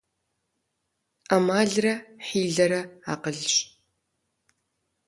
Ӏэмалрэ хьилэрэ акъылщ.